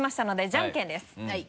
じゃんけんぽい。